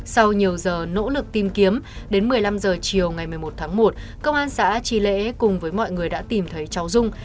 sau nhiều giờ nỗ lực tìm kiếm đến một mươi năm h chiều ngày một mươi một tháng một công an xã tri lễ cùng với mọi người đã tìm thấy cháu dung